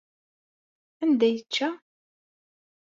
Anda ay yečča?